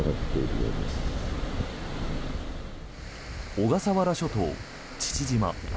小笠原諸島・父島。